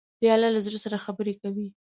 پیاله له زړه سره خبرې کوي.